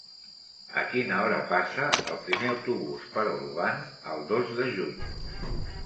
A quina hora passa el primer autobús per Olvan el dos de juny?